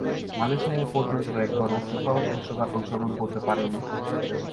Malaysia এপর্যন্ত একবারও FIFA বিশ্বকাপে অংশগ্রহণ করতে পারেনি।